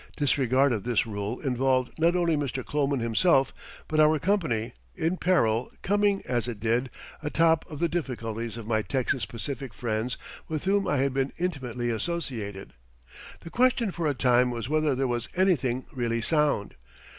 Disregard of this rule involved not only Mr. Kloman himself, but our company, in peril, coming, as it did, atop of the difficulties of my Texas Pacific friends with whom I had been intimately associated. The question for a time was whether there was anything really sound.